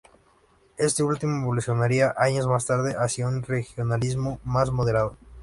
Este último evolucionaría años más tarde hacia un regionalismo más moderado.